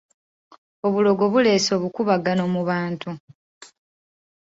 Obulogo buleese obukuubagano mu bantu.